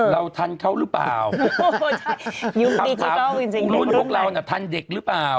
ทันเขาหรือเปล่ารุ่นพวกเราน่ะทันเด็กหรือเปล่า